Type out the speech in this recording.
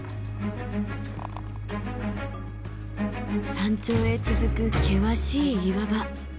山頂へ続く険しい岩場。